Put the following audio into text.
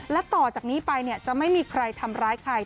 และต่อจากนี้ไปจะไม่มีใครทำร้ายใคร